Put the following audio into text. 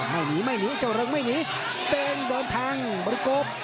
หนีไม่หนีเจ้าเริงไม่หนีเต้นโดนแทงบริโกบ